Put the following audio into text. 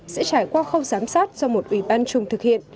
sẽ trải qua khâu giám sát do một ủy ban chung thực hiện